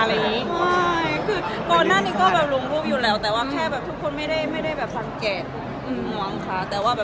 ใช่คือก่อนหน้านี้ก็ลงรวมอยู่แล้วแต่ทุกคนไม่ได้ฟังแกะห่วงค่ะ